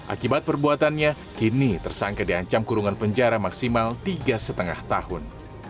akibat perbuatannya kini tersangka diancam kurungan penjara maksimal tiga lima tahun